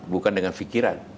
bukan dengan fikiran